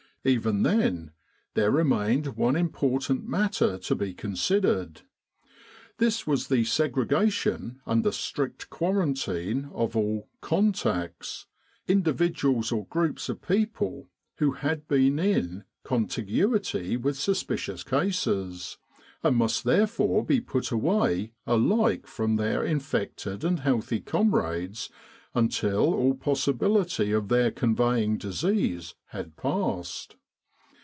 Even then there remained one important matter to be considered. This was the segregation under strict quarantine of all "contacts" individuals or groups of people who had been in contiguity with suspicious cases, and must therefore be put away alike from their infected and healthy comrades until all possibility of their conveying disease had passed.